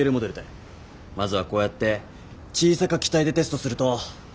まずはこうやって小さか機体でテストすると。